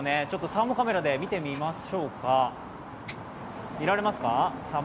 サーモカメラで見てみましょうか。